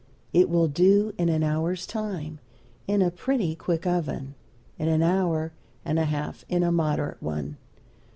It will do in an hour's time in a pretty quick oven; in an hour and a half in a moderate one.